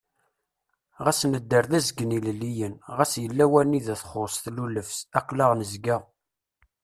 Ɣas nedder d azgen-ilelliyen, ɣas yella wanida txuṣ tlulebt, aql-aɣ nezga!